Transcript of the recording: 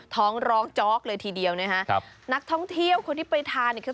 ร้องร้องจ๊อกเลยทีเดียวนะฮะครับนักท่องเที่ยวคนที่ไปทานเนี่ยคือ